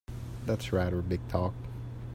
That's rather big talk!